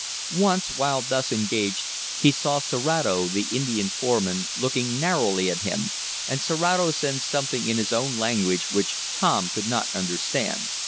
Once, while thus engaged, he saw Serato, the Indian foreman looking narrowly at him, and Serato said something in his own language which Tom could not understand.